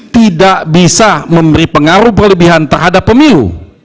tidak bisa memberi pengaruh berlebihan terhadap pemilu